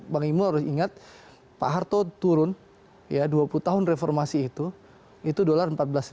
bang imu harus ingat pak harto turun ya dua puluh tahun reformasi itu itu dolar empat belas lima ratus